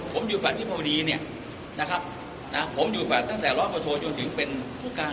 ผมอยู่แฝดพี่ภาวดีเนี่ยนะครับผมอยู่แฝดตั้งแต่ร้อนประโทษจนถึงเป็นผู้การ๑๙๑